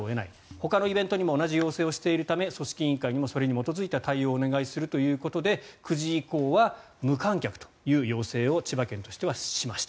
ほかのイベントにも同じ要請をしているため組織委員会にもそれに基づいた対応をお願いするということで９時以降は無観客という要請を千葉県としてはしました。